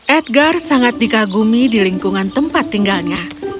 edgar sangat dikagumi di lingkungan tempat tinggalnya